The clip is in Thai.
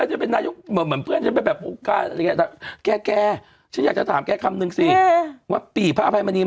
จริงหรอปี่หายบ่อยหายฮะฮะฮะฮะฮะฮะทำปี่หายไป